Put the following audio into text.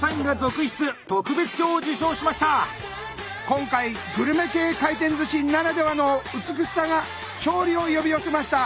今回グルメ系回転寿司ならではの「美しさ」が勝利を呼び寄せました。